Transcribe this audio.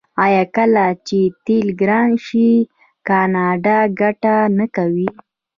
آیا کله چې تیل ګران شي کاناډا ګټه نه کوي؟